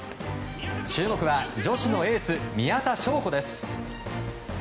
注目は女子のエース宮田笙子です。